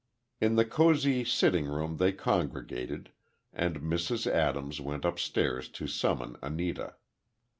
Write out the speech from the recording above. In the cosy sitting room they congregated, and Mrs. Adams went upstairs to summon Anita.